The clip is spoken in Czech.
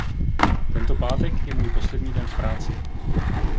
Tento pátek je můj poslední den v práci.